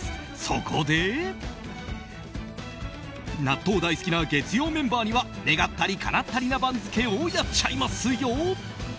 そこで納豆大好きな月曜メンバーには願ったりかなったりな番付をやっちゃいますよ！